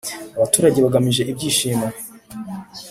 abaturage bagaraje ibyishimo